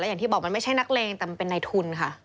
อย่างที่บอกมันไม่ใช่นักเลงแต่มันเป็นในทุนค่ะ